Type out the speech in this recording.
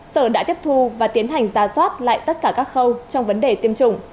sở đã tiếp thu và tiến hành ra soát lại tất cả các khâu trong vấn đề tiêm chủng